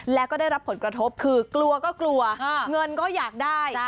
แล้วก็ได้รับผลกระทบคือกลัวก็กลัวเงินก็อยากได้